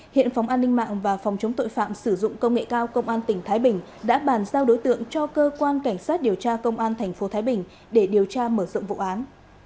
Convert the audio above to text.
hiện phòng an ninh mạng và phòng chống tội phạm sử dụng công nghệ cao công an tỉnh thái bình đã bàn giao đối tượng cho cơ quan cảnh sát điều tra công an tp thái bình để điều tra mở rộng vụ án